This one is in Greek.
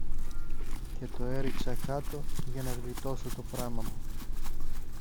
και το έριξα κάτω για να γλιτώσω το πράμα μου.